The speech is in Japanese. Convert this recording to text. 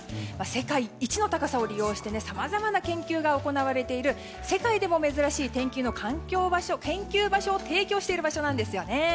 世界一の高さを利用してさまざまな研究が行われている世界でも珍しい天気の研究場所を提供している場所なんですね。